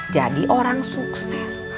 jadi orang sukses